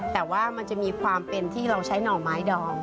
แต่ว่ามันจะมีความเป็นที่เราใช้หน่อไม้ดอง